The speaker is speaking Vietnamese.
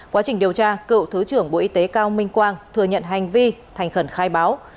quá trình điều tra cựu thứ trưởng bộ y tế cao minh quang thừa nhận hành vi thành khẩn khai báo